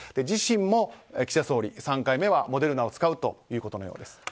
自身も、岸田総理３回目はモデルナを使うということのようです。